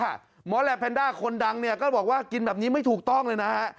หมอแหลปแพนด้าคนดังเนี่ยก็บอกว่ากินแบบนี้ไม่ถูกต้องเลยนะฮะ